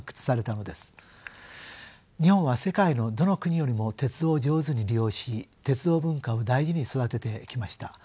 日本は世界のどの国よりも鉄道を上手に利用し鉄道文化を大事に育ててきました。